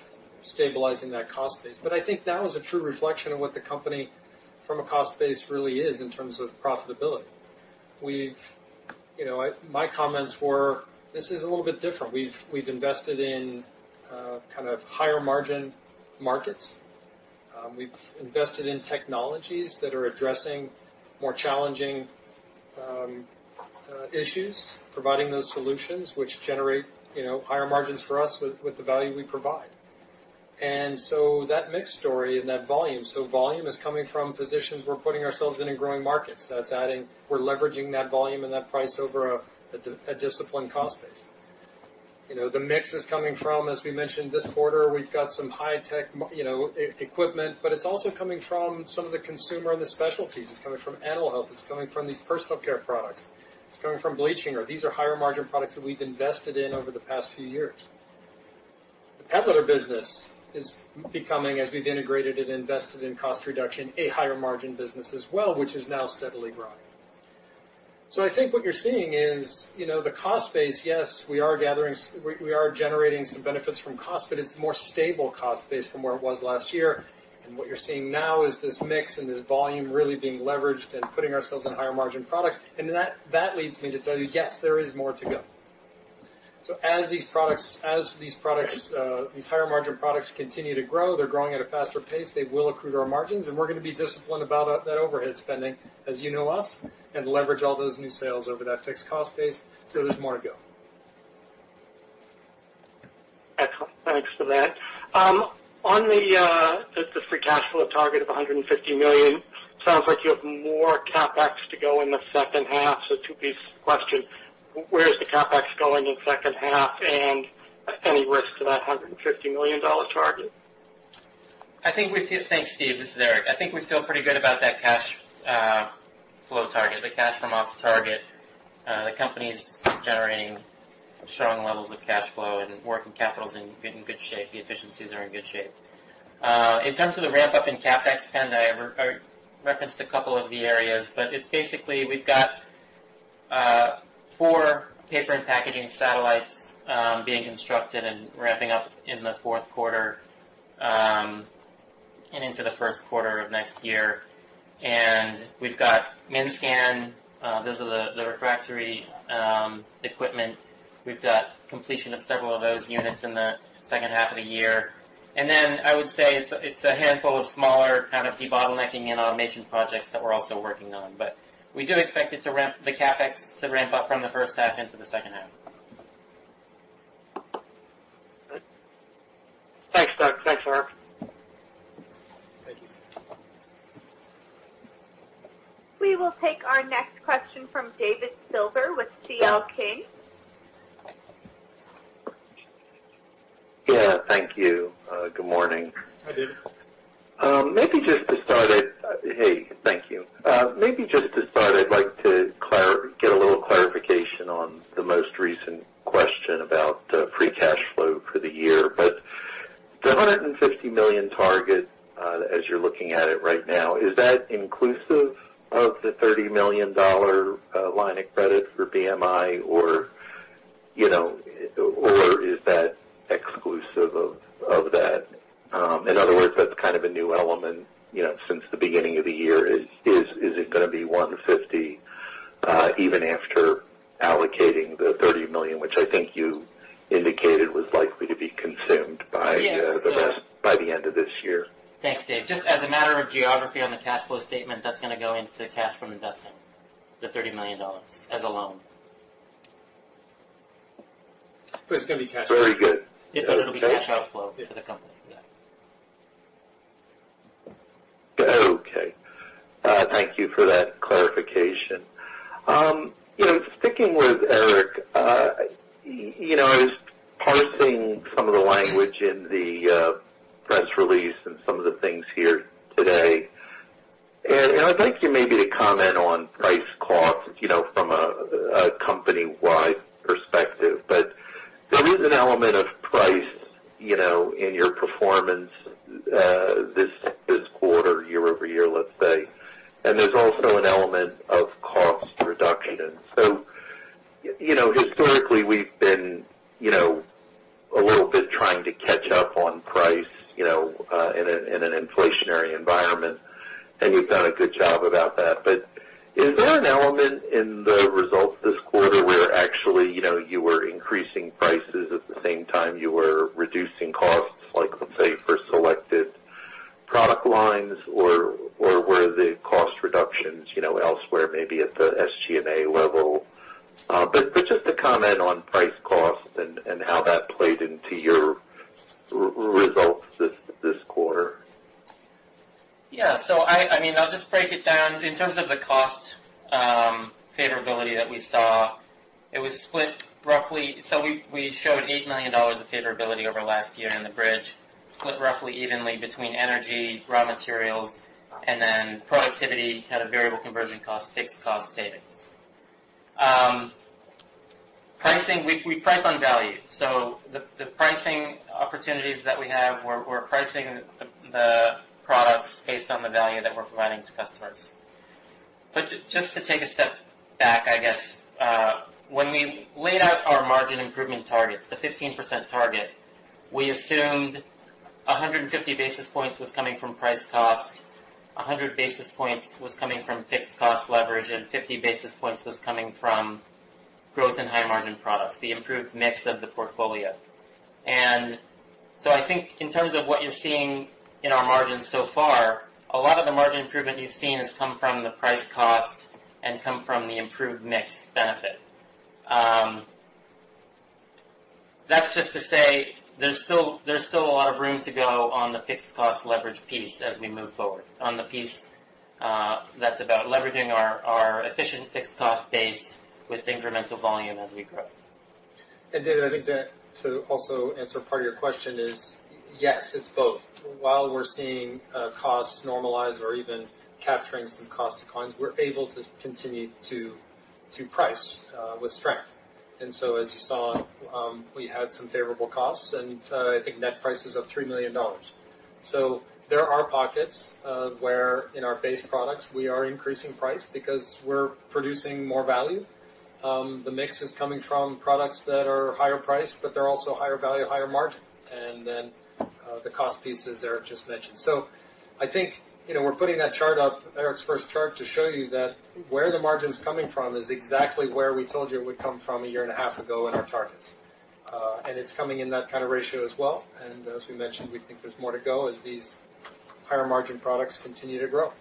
stabilizing that cost base. But I think that was a true reflection of what the company from a cost base really is in terms of profitability. My comments were, this is a little bit different. We've invested in kind of higher margin markets. We've invested in technologies that are addressing more challenging issues, providing those solutions which generate higher margins for us with the value we provide. And so that mix story and that volume, so volume is coming from positions we're putting ourselves in in growing markets. We're leveraging that volume and that price over a disciplined cost base. The mix is coming from, as we mentioned, this quarter, we've got some high-tech equipment, but it's also coming from some of the consumer and the specialties. It's coming from animal health. It's coming from these personal care products. It's coming from bleaching. These are higher margin products that we've invested in over the past few years. The pet litter business is becoming, as we've integrated and invested in cost reduction, a higher margin business as well, which is now steadily growing. So I think what you're seeing is the cost base, yes, we are generating some benefits from cost, but it's a more stable cost base from where it was last year. And what you're seeing now is this mix and this volume really being leveraged and putting ourselves in higher margin products. And that leads me to tell you, yes, there is more to go. So as these products, these higher margin products continue to grow, they're growing at a faster pace, they will accrue to our margins, and we're going to be disciplined about that overhead spending, as you know us, and leverage all those new sales over that fixed cost base. So there's more to go. Excellent. Thanks for that. On the free cash flow target of $150 million, sounds like you have more CapEx to go in the second half. So two-piece question. Where's the CapEx going in the second half and any risk to that $150 million target? I think we feel—thanks, Steve. This is Erik. I think we feel pretty good about that cash flow target, the cash from ops target. The company's generating strong levels of cash flow and working capitals and getting in good shape. The efficiencies are in good shape. In terms of the ramp-up in CapExspend, I referenced a couple of the areas, but it's basically we've got 4 paper and packaging satellites being constructed and ramping up in the fourth quarter and into the first quarter of next year. And we've got MINSCAN. Those are the refractory equipment. We've got completion of several of those units in the second half of the year. And then I would say it's a handful of smaller kind of debottlenecking and automation projects that we're also working on. But we do expect the CapEx to ramp up from the first half into the second half. Thanks, Doug. Thanks, Erik We will take our next question from David Silver with CL King. Yeah. Thank you. Good morning. Hi, David. Maybe just to start, hey, thank you. Maybe just to start, I'd like to get a little clarification on the most recent question about free cash flow for the year. But the $150 million target, as you're looking at it right now, is that inclusive of the $30 million line of credit for BMI, or is that exclusive of that? In other words, that's kind of a new element since the beginning of the year. Is it going to be $150 even after allocating the $30 million, which I think you indicated was likely to be consumed by the end of this year? Yes. Thanks, Dave. Just as a matter of geography on the cash flow statement, that's going to go into the cash from investing, the $30 million as a loan. But it's going to be cash outflow. Very good. It'll be cash outflow for the company. Yeah. Okay. Thank you for that clarification. Just sticking with Erik, I was parsing some of the language in the press release and some of the things here today. And I'd like you maybe to comment on price cost from a company-wide perspective. But there is an element of price in your performance this quarter, year-over-year, let's say. And there's also an element when we laid out our margin improvement targets, the 15% target, we assumed 150 basis points was coming from price cost, 100 basis points was coming from fixed cost leverage, and 50 basis points was coming from growth and high margin products, the improved mix of the portfolio. And so I think in terms of what you're seeing in our margins so far, a lot of the margin improvement you've seen has come from the price cost and come from the improved mix benefit. That's just to say there's still a lot of room to go on the fixed cost leverage piece as we move forward, on the piece that's about leveraging our efficient fixed cost base with incremental volume as we grow. And Dave, I think to also answer part of your question is, yes, it's both. While we're seeing costs normalize or even capturing some cost declines, we're able to continue to price with strength. And so as you saw, we had some favorable costs, and I think net price was up $3 million. So there are pockets where in our base products we are increasing price because we're producing more value. The mix is coming from products that are higher priced, but they're also higher value, higher margin. And then the cost pieces are just mentioned. So I think we're putting that chart up, Erik's first chart, to show you that where the margin's coming from is exactly where we told you it would come from a year and a half ago in our targets. And it's coming in that kind of ratio as well. And as we mentioned, we think there's more to go as these higher margin products continue to grow.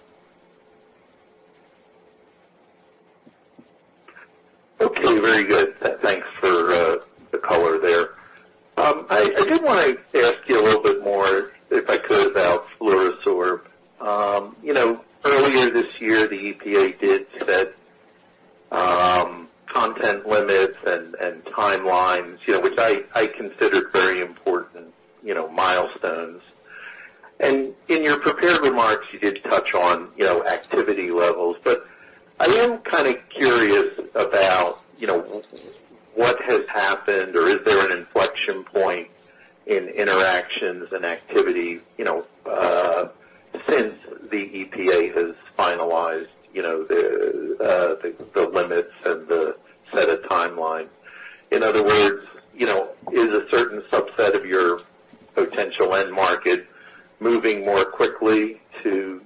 Okay. Very good. Thanks for the color there. I did want to ask you a little bit more, if I could, about Fluoro-Sorb. Earlier this year, the EPA did set content limits and timelines, which I considered very important milestones. And in your prepared remarks, you did touch on activity levels. But I am kind of curious about what has happened or is there an inflection point in interactions and activity since the EPA has finalized the limits and the set of timeline? In other words, is a certain subset of your potential end market moving more quickly to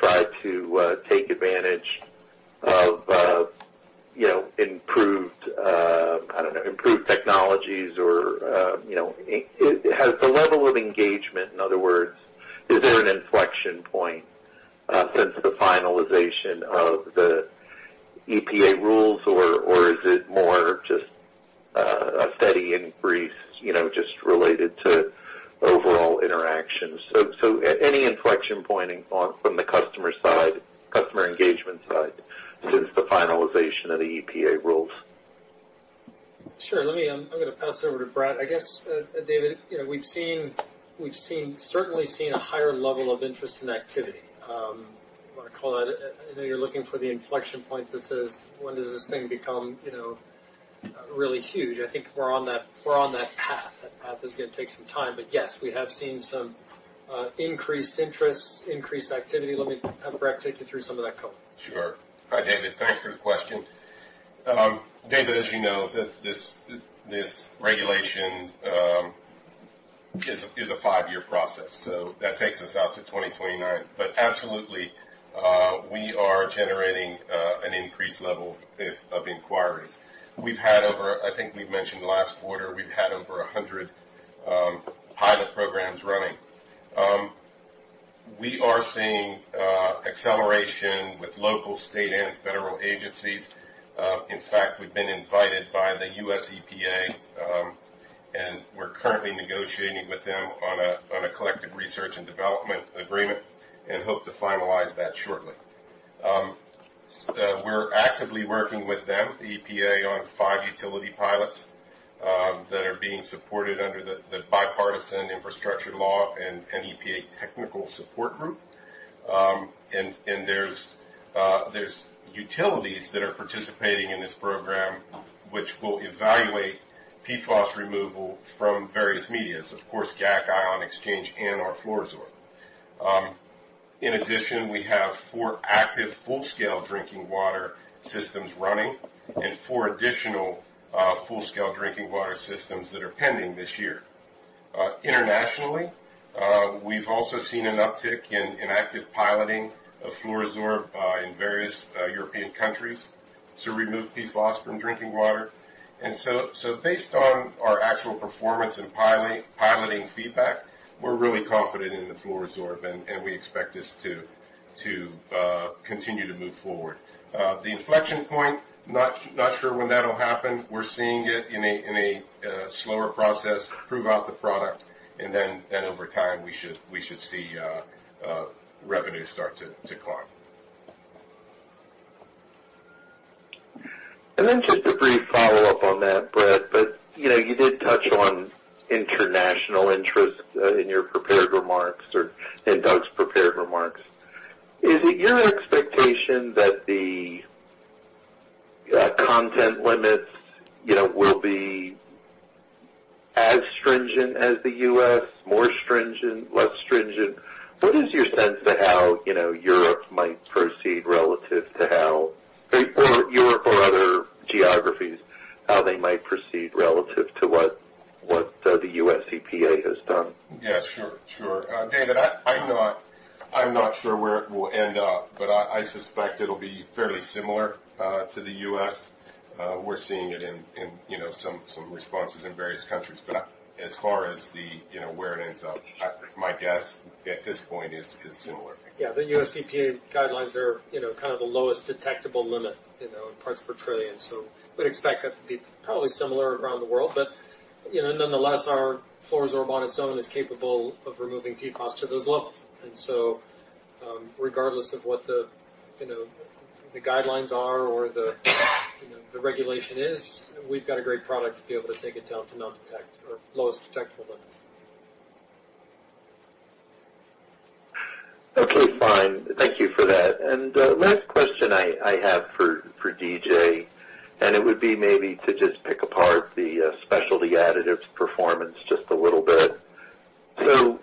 try to take advantage of improved, I don't know, improved technologies? Or has the level of engagement, in other words, is there an inflection point since the finalization of the EPA rules, or is it more just a steady increase just related to overall interactions? So any inflection point from the customer side, customer engagement side, since the finalization of the EPA rules? Sure. I'm going to pass it over to Brett. I guess, David, we've certainly seen a higher level of interest in activity. I want to say that I know you're looking for the inflection point that says, "When does this thing become really huge?" I think we're on that path. That path is going to take some time. But yes, we have seen some increased interest, increased activity. Let me have Brett take you through some of that color. Sure. Hi, David. Thanks for the question. David, as you know, this regulation is a five-year process. So that takes us out to 2029. But absolutely, we are generating an increased level of inquiries. I think we've mentioned last quarter, we've had over 100 pilot programs running. We are seeing acceleration with local, state, and federal agencies. In fact, we've been invited by the U.S. EPA, and we're currently negotiating with them on a collective research and development agreement and hope to finalize that shortly. We're actively working with them, the EPA, on five utility pilots that are being supported under the Bipartisan Infrastructure Law and EPA technical support group. There's utilities that are participating in this program, which will evaluate PFAS removal from various media, of course, GAC, ion exchange, and our Fluoro-Sorb. In addition, we have four active full-scale drinking water systems running and four additional full-scale drinking water systems that are pending this year. Internationally, we've also seen an uptick in active piloting of Fluoro-Sorb in various European countries to remove PFAS from drinking water. Based on our actual performance and piloting feedback, we're really confident in the Fluoro-Sorb, and we expect this to continue to move forward. The inflection point, not sure when that'll happen. We're seeing it in a slower process, prove out the product, and then over time, we should see revenue start to climb. And then just a brief follow-up on that, Brett. But you did touch on international interest in your prepared remarks and Doug's prepared remarks. Is it your expectation that the content limits will be as stringent as the U.S., more stringent, less stringent? What is your sense of how Europe might proceed relative to how, or Europe or other geographies, how they might proceed relative to what the U.S. EPA has done? Yeah. Sure. Sure. David, I'm not sure where it will end up, but I suspect it'll be fairly similar to the U.S. We're seeing it in some responses in various countries. But as far as where it ends up, my guess at this point is similar. Yeah. The U.S. EPA guidelines are kind of the lowest detectable limit in parts per trillion. So we'd expect that to be probably similar around the world. But nonetheless, our Fluoro-Sorb on its own is capable of removing PFAS to those levels. And so regardless of what the guidelines are or the regulation is, we've got a great product to be able to take it down to non-detect or lowest detectable limit. Okay. Fine. Thank you for that. And last question I have for D.J., and it would be maybe to just pick apart the Specialty Additives performance just a little bit. So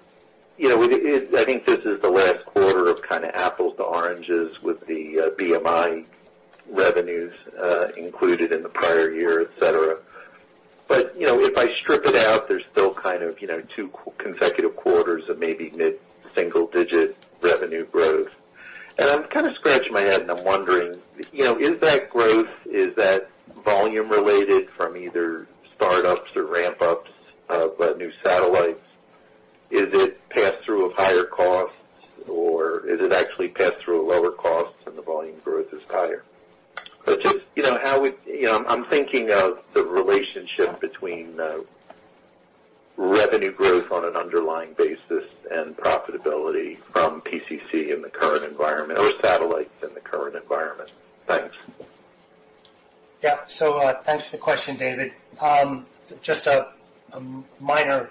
I think this is the last quarter of kind of apples to oranges with the BMI revenues included in the prior year, etc. But if I strip it out, there's still kind of two consecutive quarters of maybe mid-single-digit revenue growth. And I'm kind of scratching my head, and I'm wondering, is that growth, is that volume related from either startups or ramp-ups of new satellites? Is it pass-through of higher costs, or is it actually pass-through of lower costs and the volume growth is higher? But just how I'm thinking of the relationship between revenue growth on an underlying basis and profitability from PCC in the current environment or satellites in the current environment. Thanks. Yeah. So thanks for the question, David. Just a minor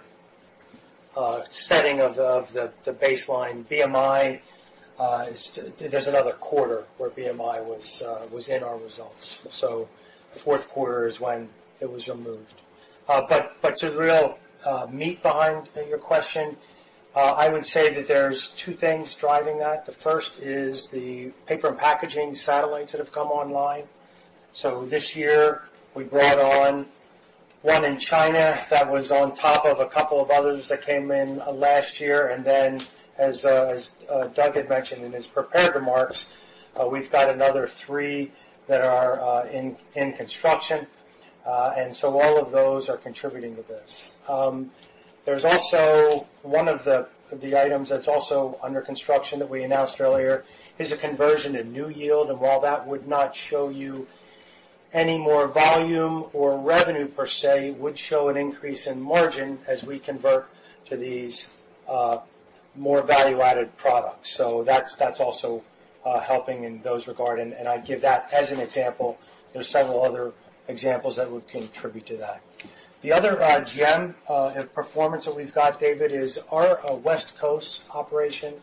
setting of the baseline. BMI, there's another quarter where BMI was in our results. So the fourth quarter is when it was removed. But to the real meat behind your question, I would say that there's two things driving that. The first is the paper and packaging satellites that have come online. So this year, we brought on one in China that was on top of a couple of others that came in last year. And then as Doug had mentioned in his prepared remarks, we've got another three that are in construction. And so all of those are contributing to this. There's also one of the items that's also under construction that we announced earlier is a conversion to NewYield. And while that would not show you any more volume or revenue per se, it would show an increase in margin as we convert to these more value-added products. So that's also helping in those regards. And I'd give that as an example. There's several other examples that would contribute to that. The other GM performance that we've got, David, is our West Coast operation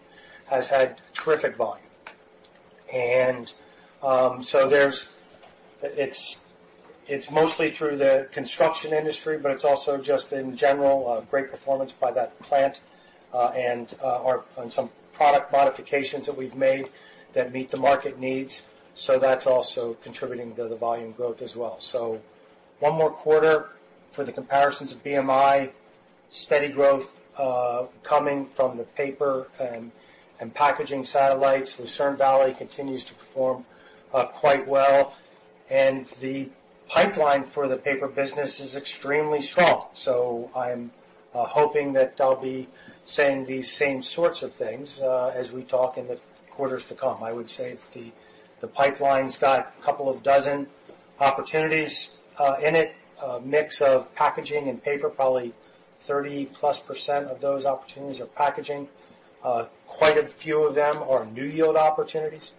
has had terrific volume. So it's mostly through the construction industry, but it's also just in general, great performance by that plant and on some product modifications that we've made that meet the market needs. So that's also contributing to the volume growth as well. So one more quarter for the comparisons of BMI, steady growth coming from the paper and packaging satellites. Lucerne Valley continues to perform quite well. And the pipeline for the paper business is extremely strong. So I'm hoping that they'll be saying these same sorts of things as we talk in the quarters to come. I would say the pipeline's got a couple of dozen opportunities in it, a mix of packaging and paper, probably 30+% of those opportunities are packaging. Quite a few of them are NewYield opportunities.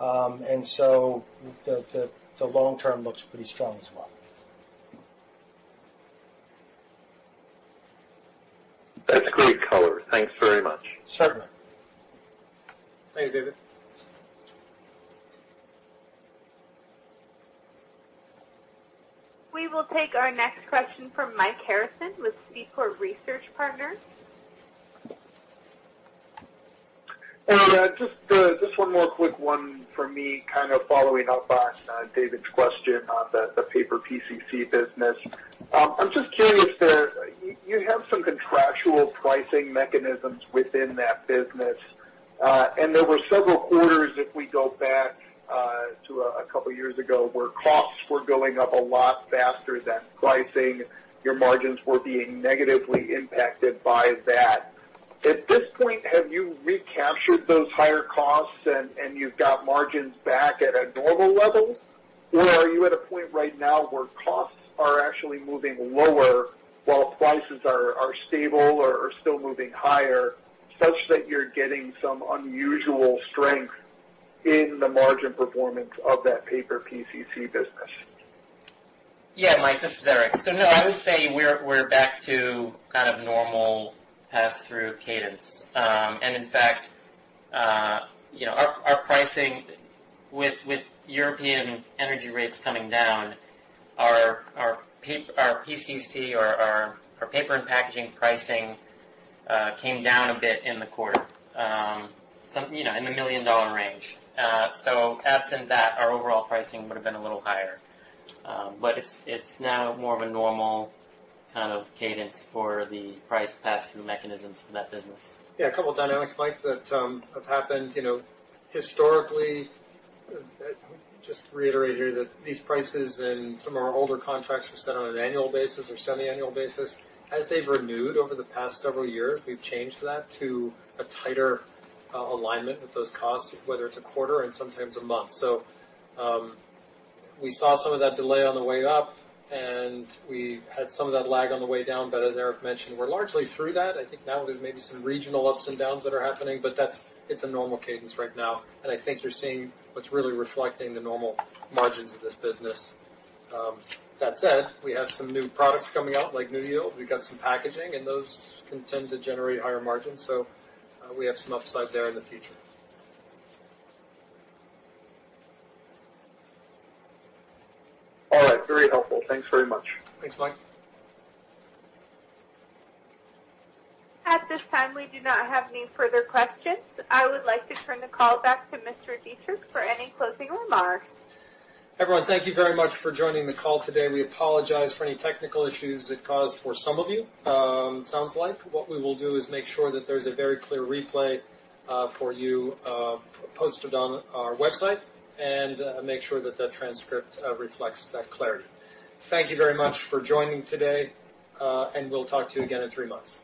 And so the long term looks pretty strong as well. That's great color. Thanks very much. Certainly. Thanks, David. We will take our next question from Mike Harrison with Seaport Research Partners. And just one more quick one for me, kind of following up on David's question on the paper PCC business. I'm just curious there, you have some contractual pricing mechanisms within that business. And there were several quarters, if we go back to a couple of years ago, where costs were going up a lot faster than pricing. Your margins were being negatively impacted by that. At this point, have you recaptured those higher costs and you've got margins back at a normal level? Or are you at a point right now where costs are actually moving lower while prices are stable or still moving higher such that you're getting some unusual strength in the margin performance of that paper PCC business? Yeah, Mike, this is Erik. So no, I would say we're back to kind of normal pass-through cadence. And in fact, our pricing with European energy rates coming down, our PCC or our paper and packaging pricing came down a bit in the quarter, in the $1 million range. So absent that, our overall pricing would have been a little higher. But it's now more of a normal kind of cadence for the price pass-through mechanisms for that business. Yeah. A couple of dynamics, Mike, that have happened. Historically, just to reiterate here that these prices and some of our older contracts were set on an annual basis or semi-annual basis. As they've renewed over the past several years, we've changed that to a tighter alignment with those costs, whether it's a quarter and sometimes a month. So we saw some of that delay on the way up, and we had some of that lag on the way down. But as Erik mentioned, we're largely through that. I think now there's maybe some regional ups and downs that are happening, but it's a normal cadence right now. And I think you're seeing what's really reflecting the normal margins of this business. That said, we have some new products coming out like NewYield. We've got some packaging, and those can tend to generate higher margins. So we have some upside there in the future. All right. Very helpful. Thanks very much. Thanks, Mike. At this time, we do not have any further questions. I would like to turn the call back to Mr. Dietrich for any closing remarks. Everyone, thank you very much for joining the call today. We apologize for any technical issues it caused for some of you, it sounds like. What we will do is make sure that there's a very clear replay for you posted on our website and make sure that the transcript reflects that clarity. Thank you very much for joining today, and we'll talk to you again in three months.